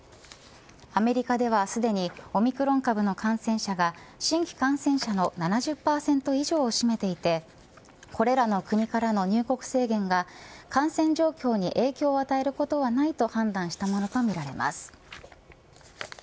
アメリカではすでにオミクロン株の感染者が新規感染者の７０％以上を占めていてこれらの国からの入国制限が感染状況に影響を与えることはないと判断したものとみられます。